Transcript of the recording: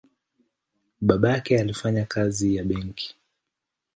Babake alifanya kazi ya benki.